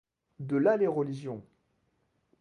De là les religions.